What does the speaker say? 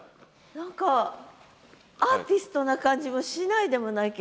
何かアーティストな感じもしないでもないけど。